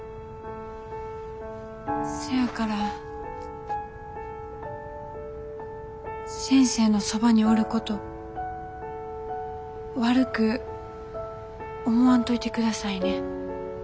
そやから先生のそばにおること悪く思わんといてくださいね。